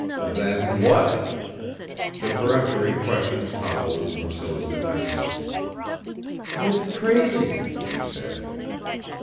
"Then what?" The peremptory question toppled Lucilla's defenses. "I'm crazy," she said.